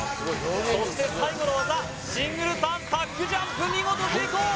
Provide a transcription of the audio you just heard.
そして最後の技シングルターンタックジャンプ見事成功！